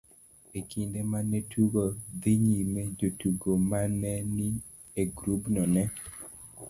e kinde ma ne tugo dhi nyime, jotugo ma ne ni e grubno ne